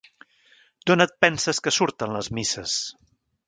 D'on et penses que surten les misses?